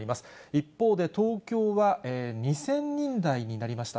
一方で、東京は２０００人台になりました。